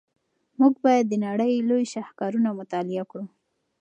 موږ باید د نړۍ لوی شاهکارونه مطالعه کړو.